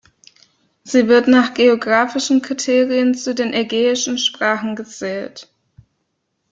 Sie wird nach geographischen Kriterien zu den ägäischen Sprachen gezählt.